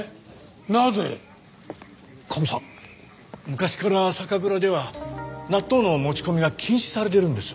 昔から酒蔵では納豆の持ち込みが禁止されてるんです。